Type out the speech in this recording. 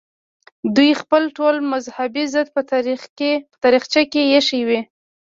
دوی خپل ټول مذهبي ضد په تاخچه کې ایښی وي.